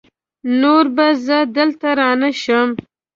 نور به زه دلته رانشم!